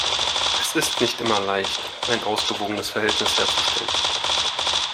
Es ist nicht immer leicht, ein ausgewogenes Verhältnis herzustellen.